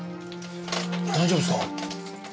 大丈夫ですか？